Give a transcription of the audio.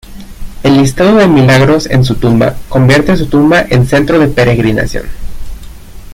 El listado de milagros en su tumba convierte su tumba en centro de peregrinación.